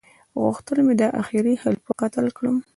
غوښتل مي دا اخيري خليفه قتل کړم